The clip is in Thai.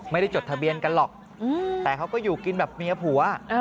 จดทะเบียนกันหรอกแต่เขาก็อยู่กินแบบเมียผัว